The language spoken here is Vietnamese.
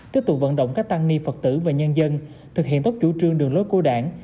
tiếp tục vận động các tăng ni phật tử và nhân dân thực hiện tốt chủ trương đường lối của đảng